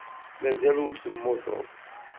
Mazal ur temmuteḍ.